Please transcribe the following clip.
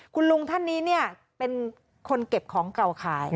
คุณลุงท่านนี้เนี่ยเป็นคนเก็บของเก่าขาย